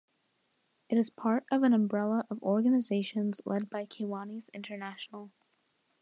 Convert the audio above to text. It is part of an umbrella of organizations led by Kiwanis International.